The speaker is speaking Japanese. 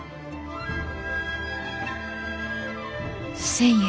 １，０００円。